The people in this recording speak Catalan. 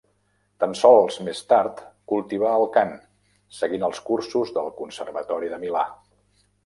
Tan sols més tard cultivà el cant, seguint els cursos del Conservatori de Milà.